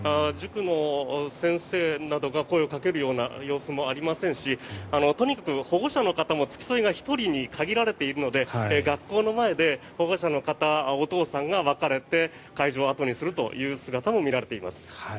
塾の先生などが声をかけるような様子もありませんしとにかく保護者の方も付き添いが１人に限られているので学校の前で保護者の方、お父さんが別れて会場を後にするという姿も見られていました。